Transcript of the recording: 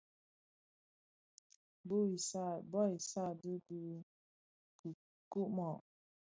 Bu i sààdee bi kikumàg.